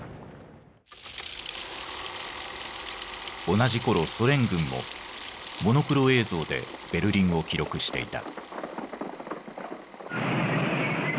同じころソ連軍もモノクロ映像でベルリンを記録していた。